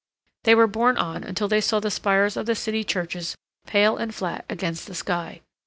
They were borne on until they saw the spires of the city churches pale and flat against the sky.